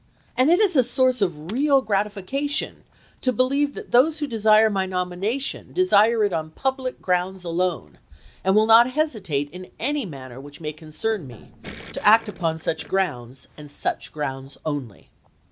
And it is a source of real gratification to believe that those who desire my nomination desire it on public grounds alone, and will not hesitate in any matter which may concern me, [to act] upon such grounds and such grounds only."